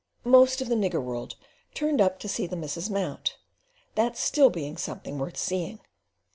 Most of the nigger world turned up to see the "missus mount," that still being something worth seeing.